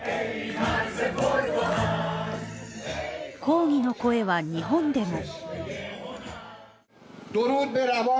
抗議の声は日本でも。